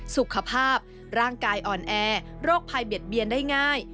สุขภาพร่างกายอ่อนแอโรคภัยเบียดเบียนได้ง่าย